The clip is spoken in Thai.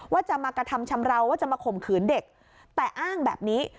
ว่าจะมากระทำชำราวว่าจะมาข่มขืนเด็กแต่อ้างแบบนี้